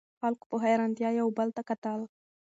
خلکو په حیرانتیا یو بل ته کتل.